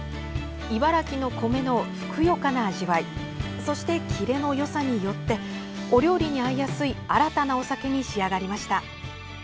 茨城の米のふくよかな味わいそしてキレのよさによってお料理に合いやすい新たなお酒に仕上がりました。